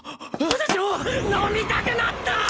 私も飲みたくなった！！